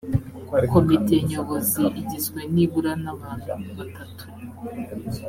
komite nyobozi igizwe nibura n’abantu batatu